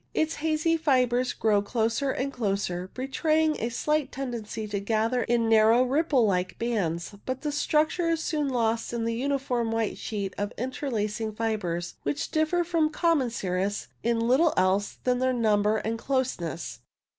Its hazy fibres grow closer and closer, betraying a slight tendency to gather in narrow ripple like bands, but the structure is soon lost in the uniform white sheet of interlacing fibres, which differ from common cirrus in little else than their number and closeness.